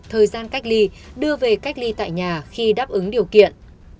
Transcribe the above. thời gian cách ly đưa về cách ly tại nhà khi đáp ứng điều kiện